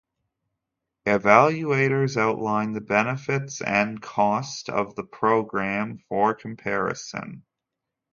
Evaluators outline the benefits and cost of the program for comparison.